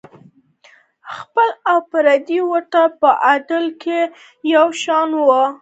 خپل او پردي ورته په عدل کې یو شان وو.